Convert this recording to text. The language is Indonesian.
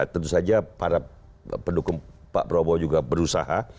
tentu saja para pendukung pak prabowo juga berusaha